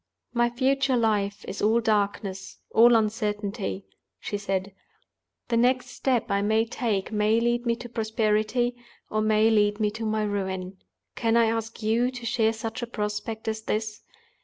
"My future life is all darkness, all uncertainty," she said. "The next step I may take may lead me to my prosperity or may lead me to my ruin. Can I ask you to share such a prospect as this?